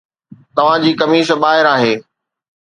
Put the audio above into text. توهان جي قميص ٻاهر آهي